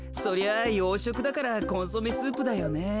あようしょくだからコンソメスープだよね。